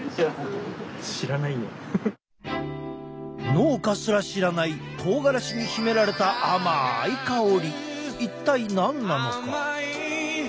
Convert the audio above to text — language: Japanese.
農家すら知らないとうがらしに秘められた一体何なのか？